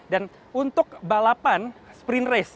untuk balapan sprint race